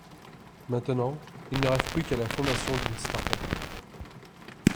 Maintenant, ils ne rêvent plus qu'à la fondation d'une start-up.